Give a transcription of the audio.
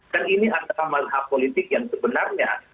dan ini adalah hal hal politik yang sebenarnya